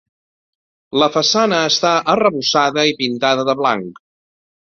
La façana està arrebossada i pintada de blanc.